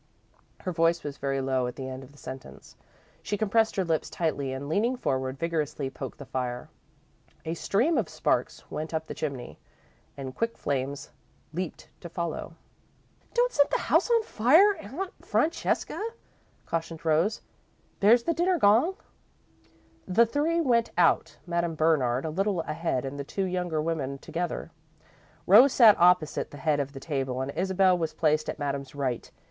Her voice was very low at the end of the sentence. She compressed her lips tightly and, leaning forward, vigorously poked the fire. A stream of sparks went up the chimney and quick flames leaped to follow. "Don't set the house on fire, Aunt Francesca," cautioned Rose. "There's the dinner gong." The three went out, Madame Bernard a little ahead and the two younger women together. Rose sat opposite the head of the table and Isabel was placed at Madame's right.